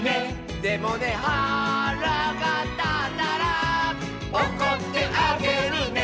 「でもねはらがたったら」「おこってあげるね」